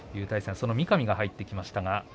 そこに三上が入ってきました。